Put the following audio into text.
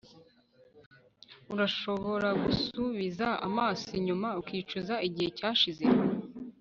urashobora gusubiza amaso inyuma ukicuza igihe cyashize